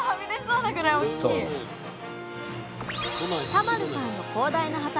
田丸さんの広大な畑。